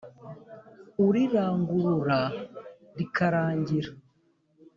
Urirangurura rikarangira